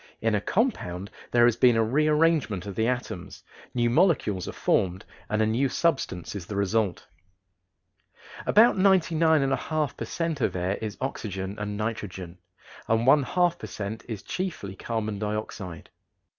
In a compound there has been a rearrangement of the atoms, new molecules are formed, and a new substance is the result. About 99 1/2 per cent. of air is oxygen and nitrogen and one half per cent. is chiefly carbon dioxide.